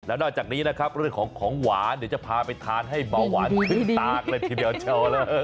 นอกจากนี้นะครับเรื่องของของหวานเดี๋ยวจะพาไปทานให้เบาหวานขึ้นตากันเลยทีเดียวเชล